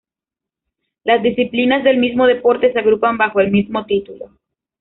Las disciplinas del mismo deporte se agrupan bajo el mismo título.